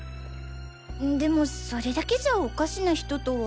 でもそれだけじゃおかしな人とは。